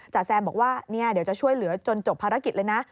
แซมบอกว่าเดี๋ยวจะช่วยเหลือจนจบภารกิจเลยนะ